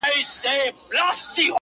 نه مي غاښ ته سي ډبري ټينگېدلاى.!